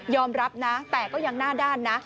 รับนะแต่ก็ยังหน้าด้านนะ